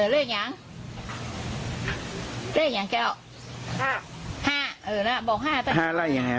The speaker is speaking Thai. เลขอย่างเร็วเลขอย่างแก้ว